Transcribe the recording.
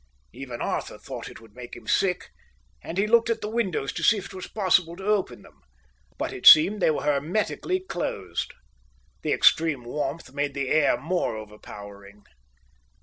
Even Arthur thought it would make him sick, and he looked at the windows to see if it was possible to open them; but it seemed they were hermetically closed. The extreme warmth made the air more overpowering.